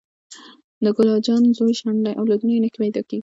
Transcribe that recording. د ګل اجان زوی شنډ دې اولادونه یي نه پیداکیږي